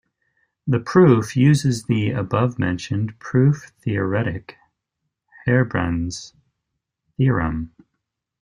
The proof uses the above-mentioned, proof-theoretic Herbrand's theorem.